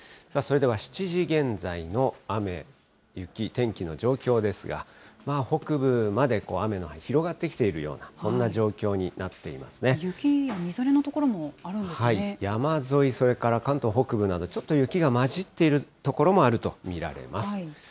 さあ、それでは７時現在の雨、雪、天気の状況ですが、北部まで雨の範囲、広がってきているような、雪やみぞれの所もあるんです山沿い、それから関東北部など、ちょっと雪が交じっている所もあると見られます。